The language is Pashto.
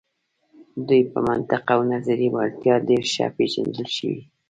دوی په منطق او نظري وړتیا ډیر ښه پیژندل شوي.